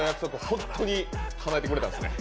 本当にかなえてくれたんですね。